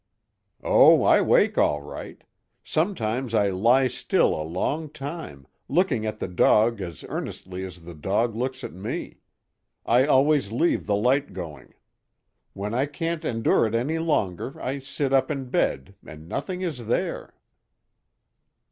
"Oh, I wake, all right. Sometimes I lie still a long time, looking at the dog as earnestly as the dog looks at me—I always leave the light going. When I can't endure it any longer I sit up in bed—and nothing is there!"